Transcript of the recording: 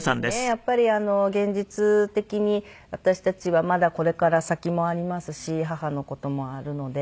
やっぱり現実的に私たちはまだこれから先もありますし母の事もあるので。